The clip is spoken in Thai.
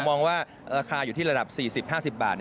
มองว่าราคาอยู่ที่ระดับ๔๐๕๐บาท